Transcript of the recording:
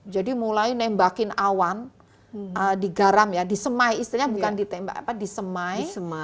jadi mulai nembakin awan di garam ya di semai istilahnya bukan di tembak apa di semai